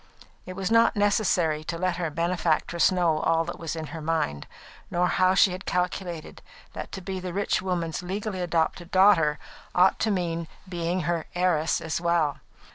It was not necessary to let her benefactress know all that was in her mind, nor how she had calculated that to be the rich woman's legally adopted daughter ought to mean being her heiress as well.